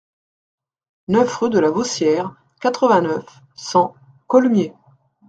neuf rue de la Vossière, quatre-vingt-neuf, cent, Collemiers